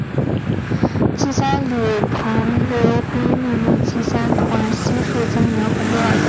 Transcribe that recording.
骑三旅旅长彭毓斌命令骑三团悉数增援红格尔图。